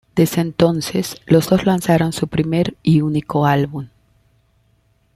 Desde entonces, los dos lanzaron su primer y único álbum.